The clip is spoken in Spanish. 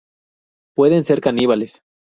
Pueden ser caníbales.